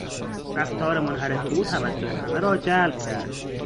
رفتار منحرف او توجه همه را جلب کرد.